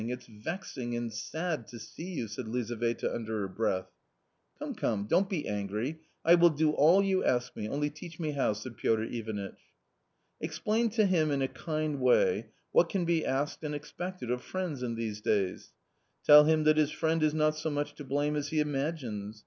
It's vexing and sad to see you," said Lizaveta under her breath. " Come, come, don't be angry ; I will do all you tell me, only teach me how !" said Piotr Ivanitch. Explain to him in a kind way what can be asked and expected of friends in these days ; tell him that his friend is not so much to blame as he imagines.